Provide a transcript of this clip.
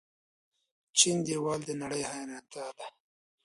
د چین دیوال د نړۍ حیرانتیا ده.